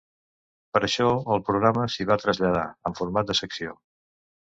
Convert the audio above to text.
Per això el programa s'hi va traslladar, en format de secció.